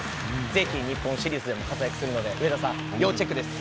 ぜひ日本シリーズでも活躍するので、上田さん、要チェックです。